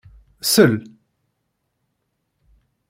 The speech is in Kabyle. Sell!